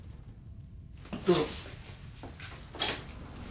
どうぞ。